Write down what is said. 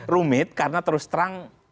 rumit karena terus terang